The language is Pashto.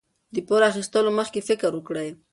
د پور اخیستلو مخکې فکر وکړئ.